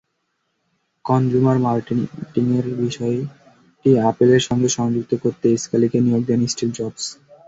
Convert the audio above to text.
Consumer মার্কেটিংয়ের বিষয়টি অ্যাপলের সঙ্গে যুক্ত করতে স্কালিকে নিয়োগ দেন স্টিভ জবস।